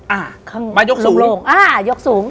อ่ะมายกสูง